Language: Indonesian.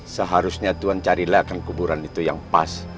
seharusnya tuhan carilah akan kuburan itu yang pas